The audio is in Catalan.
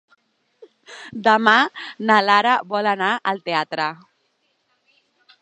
Demà na Lara vol anar al teatre.